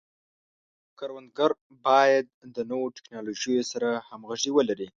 کروندګري باید د نوو ټکنالوژیو سره همغږي ولري.